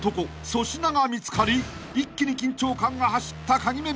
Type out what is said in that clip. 粗品が見つかり一気に緊張感が走ったカギメンバー］